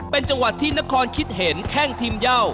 เป็นจังหวัดที่นครคิดเห็นแข้งทีมเย่า